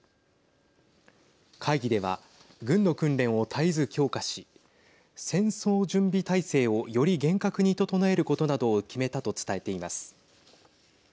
会議では軍の訓練を絶えず強化し戦争準備態勢をより厳格に整えることなどを決めたと伝えています。